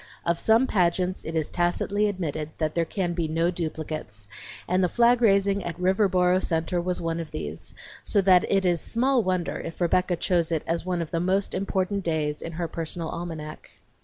Of some pageants it is tacitly admitted that there can be no duplicates, and the flag raising at Riverboro Centre was one of these; so that it is small wonder if Rebecca chose it as one of the important dates in her personal almanac.